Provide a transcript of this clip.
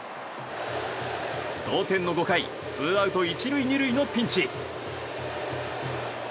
同点の５回ツーアウト１塁２塁のピンチ。